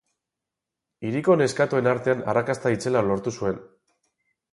Hiriko neskatoen artean arrakasta itzela lortu zuen.